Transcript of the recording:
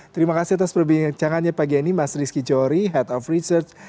terima kasih atas perbincangannya pagi ini mas rizky johri head of research